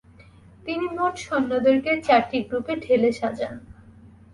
তিনি মোট সৈন্যদেরকে চারটি গ্রুপে ঢেলে সাজান।